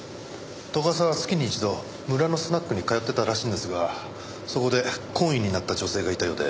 斗ヶ沢は月に一度村のスナックに通ってたらしいんですがそこで懇意になった女性がいたようで。